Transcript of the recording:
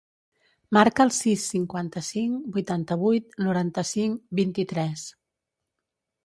Marca el sis, cinquanta-cinc, vuitanta-vuit, noranta-cinc, vint-i-tres.